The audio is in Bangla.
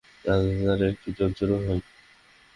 রাতে তার একটু জ্বরজ্বরও হয়।